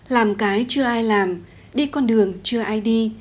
làm cái chưa ai làm đi con đường chưa ai đi